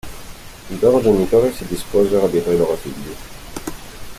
I loro genitori si disposero dietro i loro figli.